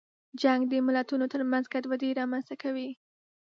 جنګ د ملتونو ترمنځ ګډوډي رامنځته کوي.